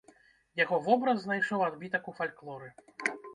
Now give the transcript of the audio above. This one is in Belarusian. Яго вобраз знайшоў адбітак у фальклоры.